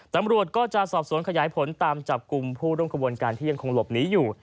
ตำรวจก็จะสอบสวนขยายผลตามจับกลุ่มผู้ร่วมขบวนการที่ยังคงหลบหนีอยู่